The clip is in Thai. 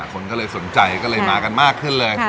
คนก็เลยสนใจก็เลยมากันมากขึ้นเลย